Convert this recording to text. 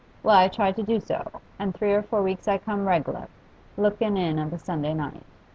Well, I tried to do so, and three or four weeks I come reg'lar, lookin' in of a Sunday night.